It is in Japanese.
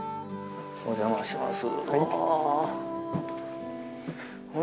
お邪魔します。